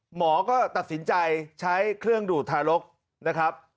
หมอก็ตัดสินใจใช้เครื่องดูดทารกนะครับ